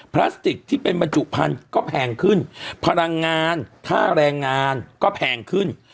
พลาสติกที่เป็นบรรจุพันธุ์ก็แพงขึ้นพลังงานค่าแรงงานก็แพงขึ้น